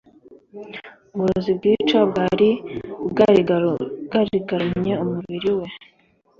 Uburozi bwica bwari bwarigarunye umubiri we.